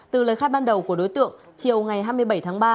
từ lời khai ban đầu của đối tượng chiều ngày hai mươi bảy tháng ba